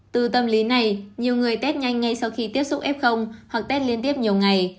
từ tâm lý này nhiều người tết nhanh ngay sau khi tiếp xúc f hoặc tết liên tiếp nhiều ngày